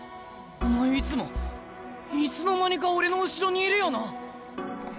お前いつもいつの間にか俺の後ろにいるよな？